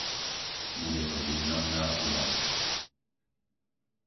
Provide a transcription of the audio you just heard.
Bude to významná udalosť.